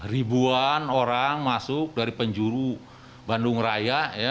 ribuan orang masuk dari penjuru bandung raya